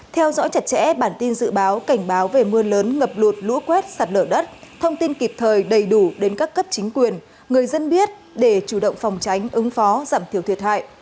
theo dõi chặt chẽ bản tin dự báo cảnh báo về mưa lớn ngập lụt lũ quét sạt lở đất thông tin kịp thời đầy đủ đến các cấp chính quyền người dân biết để chủ động phòng tránh ứng phó giảm thiểu thiệt hại